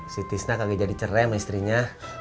si tisna kaget jadi cerem istrinya